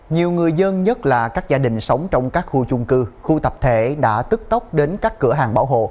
nhiều người dân nhất là các gia đình sống trong các khu chung cư khu tập thể đã tức tốc đến các cửa hàng bảo hộ